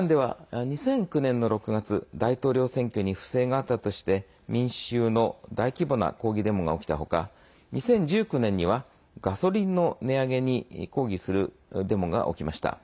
イランでは２００９年の６月大統領選挙に不正があったとして民衆の大規模な抗議デモが起きた他２０１９年にはガソリンの値上げに抗議するデモが起きました。